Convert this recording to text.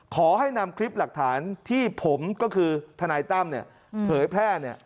ขอให้นำคลิปหลักฐานที่ผมก็คือทนายตั้มเผยแพร่